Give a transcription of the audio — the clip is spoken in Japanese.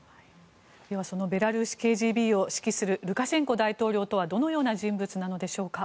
では、そのベラルーシＫＧＢを指揮するルカシェンコ大統領とはどのような人物なのでしょうか。